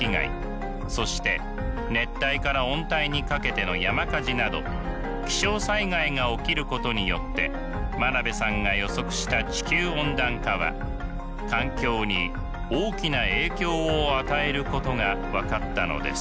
そして熱帯から温帯にかけての山火事など気象災害が起きることによって真鍋さんが予測した地球温暖化は環境に大きな影響を与えることが分かったのです。